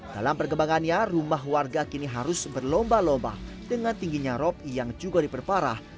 dalam perkembangannya rumah warga kini harus berlomba lomba dengan tingginya rop yang juga diperparah